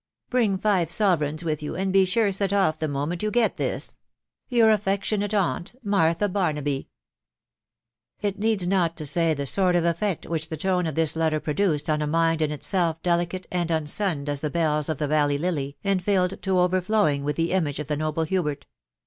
Bring five sovereigns with you and be sure set off the moment you get this. " Your affectionate aunt, "Martha Barnaby." It needs not to say the sort of effect which the tone of this letter produced on a mind in itself delicate and unsunned as the bells of the valley lily, and filled to overflowing with the image of the noble Hubert.